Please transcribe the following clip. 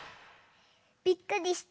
びっくりした？